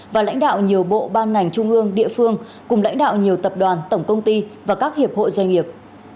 và lãnh đạo nhiều bộ ban ngành trung ương địa phương cùng lãnh đạo nhiều tập đoàn tổng công ty và các hiệp hội doanh nghiệp